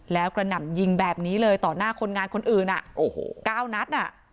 แล้วกระหน่ำยิงแบบนี้เลยต่อหน้าคนงานคนอื่นอ่ะโอ้โห๙นัดอ่ะ